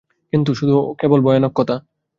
কিন্তু, শুধু কেবল কথা ভয়ানক ফাঁকা।